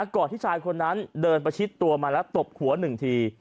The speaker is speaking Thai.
ก่อนที่ชายคนนั้นเดินประชิดตัวมาแล้วตบหัว๑ที